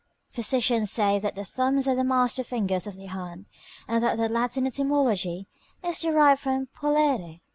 Physicians say that the thumbs are the master fingers of the hand, and that their Latin etymology is derived from "pollere."